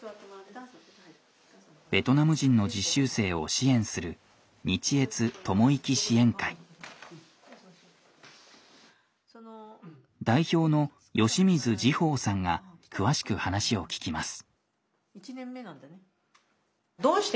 ベトナム人の実習生を支援する代表の吉水慈豊さんが詳しく話を聞きます。